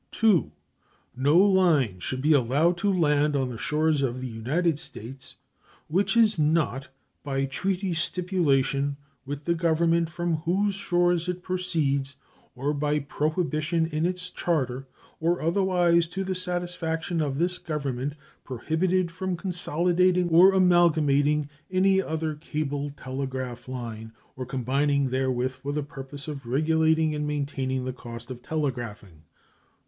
II. No line should be allowed to land on the shores of the United States which is not, by treaty stipulation with the government from whose shores it proceeds, or by prohibition in its charter, or otherwise to the satisfaction of this Government, prohibited from consolidating or amalgamating with any other cable telegraph line, or combining therewith for the purpose of regulating and maintaining the cost of telegraphing.